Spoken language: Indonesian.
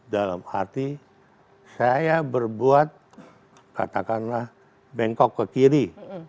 dalam arti saya berbuat katakanlah bengkok ke kiri